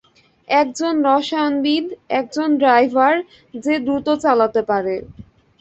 একজন রসায়নবিদ, একজন ড্রাইভার যে দ্রুত চালাতে পারে।